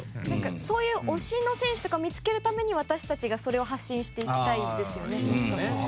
そういう、推しの選手とか見つけるために、私たちが発信していきたいですよね。